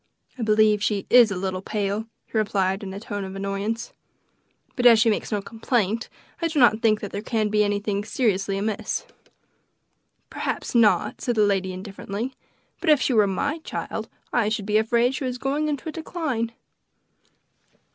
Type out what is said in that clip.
"I believe she is a little pale," he replied in a tone of annoyance; "but as she makes no complaint, I do not think there can be anything seriously amiss." "Perhaps not," said the lady indifferently; "but if she were my child I should be afraid she was going into a decline."